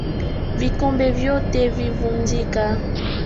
Vikombe vyote vinvundika